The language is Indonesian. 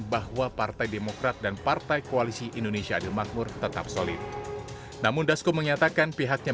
bahwa partai demokrat dan partai koalisi indonesia adil makmur tetap solid namun dasko menyatakan pihaknya